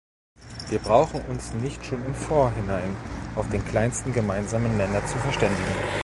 Wir brauchen uns nicht schon im Vorhinein auf den kleinsten gemeinsamen Nenner zu verständigen.